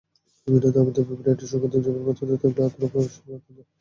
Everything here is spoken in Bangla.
বিভিন্ন নামীদামি ব্র্যান্ডের সুগন্ধির যেমন পছন্দ, তেমনি আতরও তাঁর বিশেষ পছন্দ।